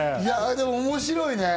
でも面白いね。